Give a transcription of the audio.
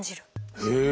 へえ！